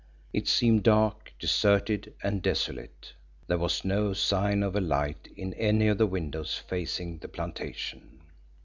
It seemed dark, deserted and desolate. There was no sign of a light in any of the windows facing the plantation.